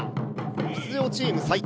出場チーム最多